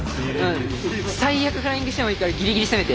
最悪フライングしてもいいからギリギリ攻めて。